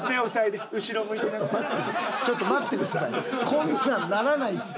こんなんならないですよ。